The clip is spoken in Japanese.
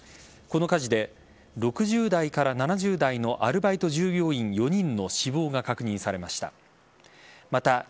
この火事で、６０代から７０代のアルバイト従業員４人の死亡が確認されました。